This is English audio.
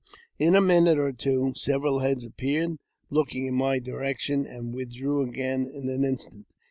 In a minute or two several heads appeared, looking in my direction, and withdrew^ again in an instant.